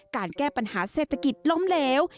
การแก้ปัญหาเศรษฐกิจล้มเหลว